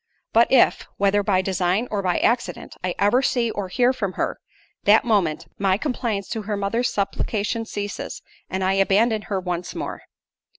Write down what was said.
But if, whether by design or by accident, I ever see or hear from her, that moment, my compliance to her mother's supplication ceases, and I abandon her once more."